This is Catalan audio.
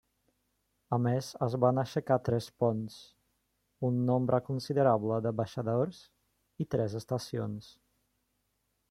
A més es van aixecar tres ponts, un nombre considerable de baixadors i tres estacions.